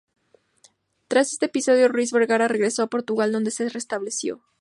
Tras este episodio, Ruiz Vergara regresó a Portugal, donde se estableció.